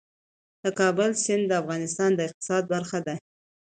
د کابل سیند د افغانستان د اقتصاد برخه ده.